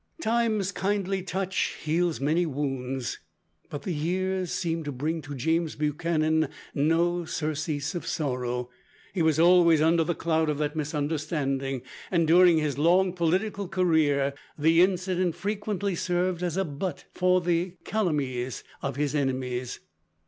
Time's kindly touch heals many wounds, but the years seemed to bring to James Buchanan no surcease of sorrow. He was always under the cloud of that misunderstanding, and during his long political career, the incident frequently served as a butt for the calumnies of his enemies.